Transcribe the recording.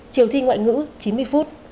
chiều thi ngoại ngữ chín mươi phút